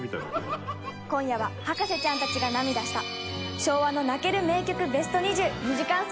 今夜は博士ちゃんたちが涙した昭和の泣ける名曲ベスト２０２時間